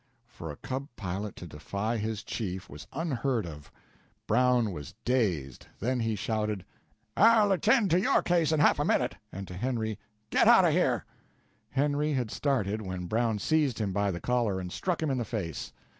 For a cub pilot to defy his chief was unheard of. Brown was dazed, then he shouted: "I'll attend to your case in half a minute!" And to Henry, "Get out of here!" Henry had started when Brown seized him by the collar and struck him in the face.